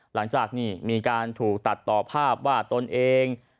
หลังจากนี่มีการถูกตัดต่อภาพว่าตนเอง